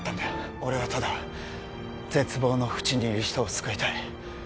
俺はただ絶望のふちにいる人を救いたい